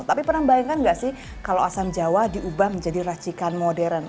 tapi pernah membayangkan nggak sih kalau asam jawa diubah menjadi racikan modern